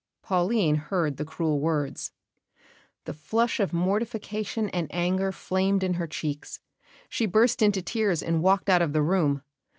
Pauline heard the cruel words. The flush of mortification and anger flamed in her cheeks; she burst into tears and walked out of the room.